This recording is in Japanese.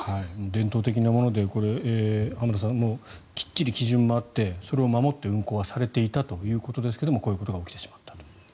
伝統的なもので浜田さん、きっちり基準もあってそれを守って、運航はされていたということですがこういうことが起きてしまったと。